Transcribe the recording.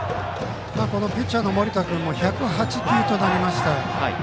ピッチャーの盛田君も１０８球となりました。